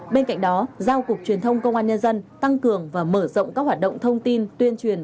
bên cạnh đó giao cục truyền thông công an nhân dân tăng cường và mở rộng các hoạt động thông tin tuyên truyền